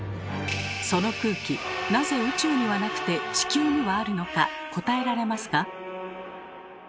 その空気なぜ宇宙にはなくて地球にはあるのか答えられますか？